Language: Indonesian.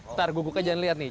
ntar gubuknya jangan lihat nih